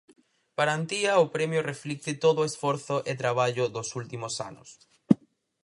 Para Antía o premio reflicte todo o esforzo e traballo dos últimos anos.